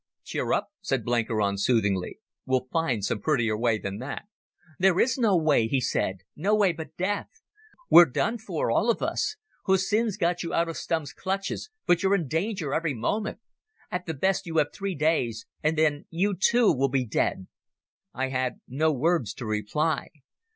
"Cheer up!" said Blenkiron soothingly. "We'll find some prettier way than that." "There is no way," he said; "no way but death. We're done for, all of us. Hussin got you out of Stumm's clutches, but you're in danger every moment. At the best you have three days, and then you, too, will be dead." I had no words to reply.